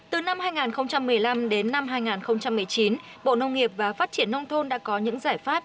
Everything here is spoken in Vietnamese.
từ năm hai nghìn một mươi năm đến năm hai nghìn một mươi chín bộ nông nghiệp và phát triển nông thôn đã có những giải pháp